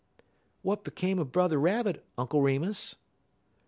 "What became of Brother Rabbit, Uncle Remus?"